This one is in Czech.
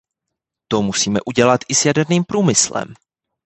To musíme udělat i s jaderným průmyslem.